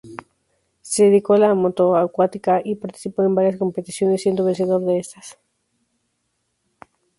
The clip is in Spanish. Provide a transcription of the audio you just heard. Se dedicó a la motonáutica y participó en varias competiciones, siendo vencedor de estas.